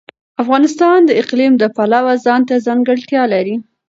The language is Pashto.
افغانستان د اقلیم د پلوه ځانته ځانګړتیا لري.